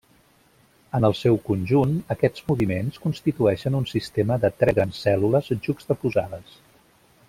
En el seu conjunt aquests moviments constitueixen un sistema de tres grans cèl·lules juxtaposades.